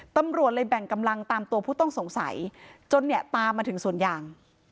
ตำรวจเลยแบ่งกำลังตามตัวผู้ต้องสงสัยจนเนี่ยตามมาถึงสวนยาง